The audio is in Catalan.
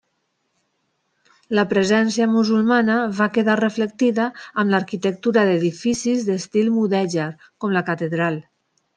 La presència musulmana va quedar reflectida amb l'arquitectura d'edificis d'estil mudèjar, com la catedral.